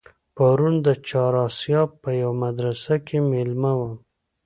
پرون د چهار آسیاب په یوه مدرسه کې مېلمه وم.